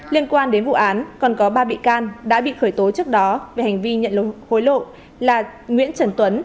liên quan đến vụ án còn có ba bị can đã bị khởi tố trước đó về hành vi nhận hối lộ là nguyễn trần tuấn